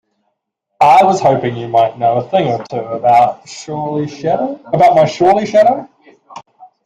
I was hoping you might know a thing or two about my surly shadow?